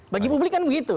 bagi publik kan begitu